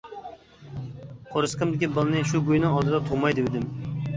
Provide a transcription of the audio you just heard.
قورسىقىمدىكى بالىنى شۇ گۇينىڭ ئالدىدا تۇغماي دېۋىدىم.